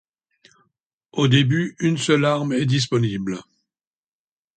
Au début, une seule arme est disponible.